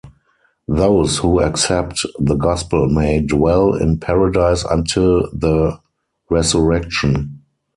Those who accept the gospel may dwell in paradise until the resurrection.